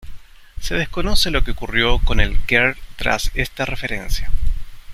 Se desconoce lo que ocurrió con el ger tras esa referencia.